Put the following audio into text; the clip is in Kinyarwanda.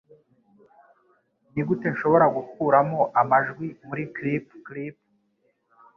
Nigute nshobora gukuramo amajwi muri clip clip?